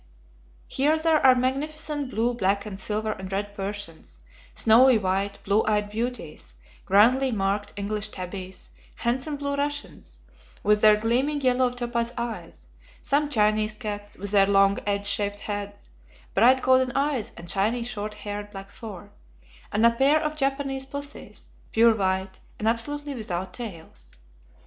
Here there are magnificent blue, black and silver and red Persians; snowy white, blue eyed beauties; grandly marked English tabbies; handsome blue Russians, with their gleaming yellow topaz eyes; some Chinese cats, with their long, edge shaped heads, bright golden eyes, and shiny, short haired black fur; and a pair of Japanese pussies, pure white and absolutely without tails.